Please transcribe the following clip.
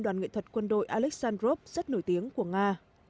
đoàn nghệ thuật quân đội alexandrop rất nổi tiếng của nga